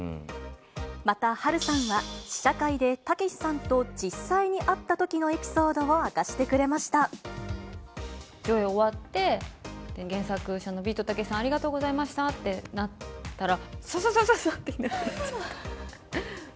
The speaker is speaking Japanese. また波瑠さんは、試写会でたけしさんと実際に会ったときのエピソードを明かしてく上映終わって、原作者のビートたけしさん、ありがとうございましたってなったら、さささささーって、いなくなっちゃった。